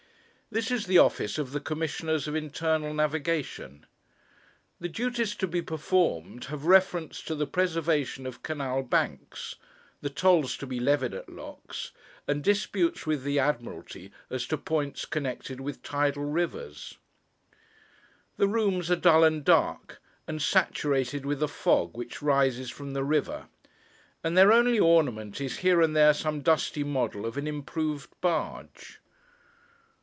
This is the office of the Commissioners of Internal Navigation. The duties to be performed have reference to the preservation of canal banks, the tolls to be levied at locks, and disputes with the Admiralty as to points connected with tidal rivers. The rooms are dull and dark, and saturated with the fog which rises from the river, and their only ornament is here and there some dusty model of an improved barge.